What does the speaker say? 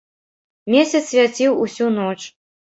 Месяц свяціў усю ноч.